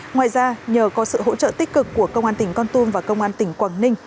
ngoài ra nhờ có sự hỗ trợ tích cực của công an tỉnh con tum và công an tỉnh quảng ninh